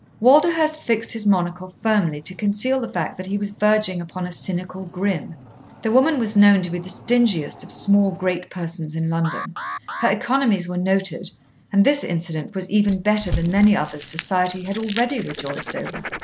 Walderhurst fixed his monocle firmly to conceal the fact that he was verging upon a cynical grin. The woman was known to be the stingiest of small great persons in London, her economies were noted, and this incident was even better than many others society had already rejoiced over.